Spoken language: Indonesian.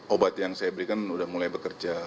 obat yang saya berikan sudah mulai bekerja